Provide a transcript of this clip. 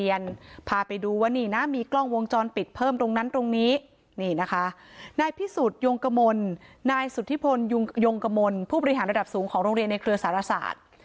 ยงกระมนผู้บริหารระดับสูงของโรงเรียนในเครือสารศาสตร์